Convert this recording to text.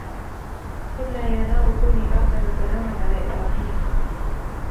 قلنا يا نار كوني بردا وسلاما على إبراهيم